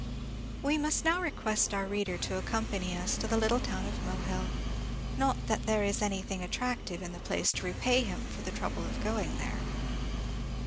We must now request our reader to accompany us to the little town of Mohill; not that there is anything attractive in the place to repay him for the trouble of going there.